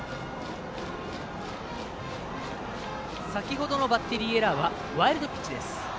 先ほどのバッテリーエラーはワイルドピッチです。